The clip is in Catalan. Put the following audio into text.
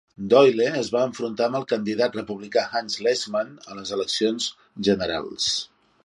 Doyle es va enfrontar amb el candidat republicà Hans Lessmann a les eleccions generals.